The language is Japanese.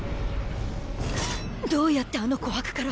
どうやってあの「琥魄」から。